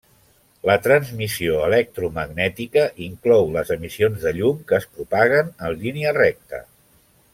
La transmissió electromagnètica inclou les emissions de llum que es propaguen en línia recta.